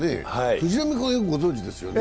藤浪君はよくご存じですよね？